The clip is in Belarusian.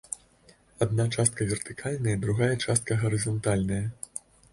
Адна частка вертыкальная, другая частка гарызантальная.